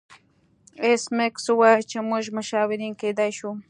ایس میکس وویل چې موږ مشاورین کیدای شو